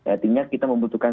artinya kita membutuhkan